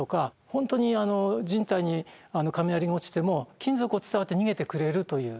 本当に人体に雷が落ちても金属を伝わって逃げてくれるという。